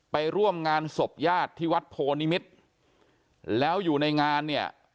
ไปร่วมงานศพญาติที่วัดโพนิมิตรแล้วอยู่ในงานเนี่ย